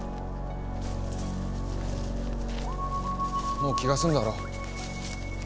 もう気が済んだろ？